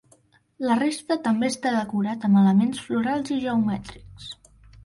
La resta també està decorat amb elements florals i geomètrics.